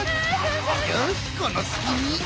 よしこの隙にっ。